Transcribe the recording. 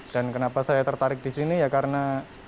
dan kenapa saya tertarik di sini ya karena